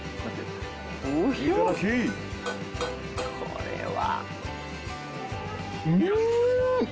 これは！